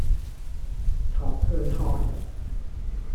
塔香蝦仁